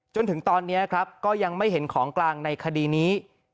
จนถึงตอนนี้ครับก็ยังไม่เห็นของกลางในคดีนี้